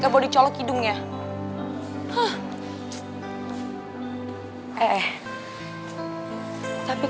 kamu tuh udah rame banget lagi